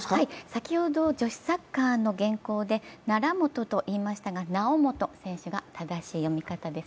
先ほど女子サッカーの原稿で、ならもと、と言いましたがなおもと選手が正しい読み方です。